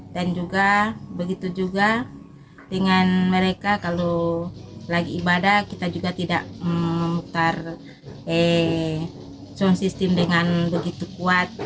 dan juga begitu juga dengan mereka kalau lagi ibadah kita juga tidak memutar sistem dengan begitu kuat